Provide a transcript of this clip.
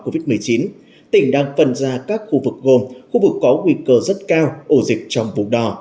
covid một mươi chín tỉnh đang phân ra các khu vực gồm khu vực có nguy cơ rất cao ổ dịch trong vùng đò